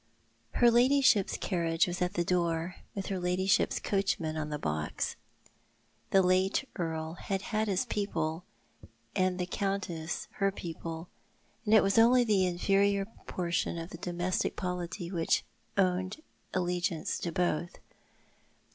Her ladyship's carriage was at the door, with her ladyship's coachman on the box. The late earl had had his people, and the countess her people, and it was only the inferior joortion of the domestic polity which owned allegiance to both.